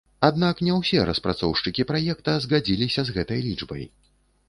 Аднак не ўсе распрацоўшчыкі праекта згадзіліся з гэтай лічбай.